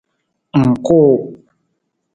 Ng kuu.